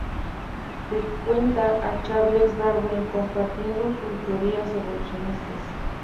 Frecuenta a Charles Darwin, compartiendo sus teorías evolucionistas.